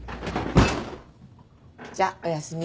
じゃおやすみ。